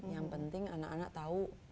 yang penting anak anak tahu